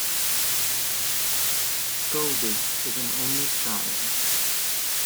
Gulbis is an only child.